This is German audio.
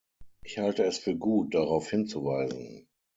Ich halte es für gut, darauf hinzuweisen.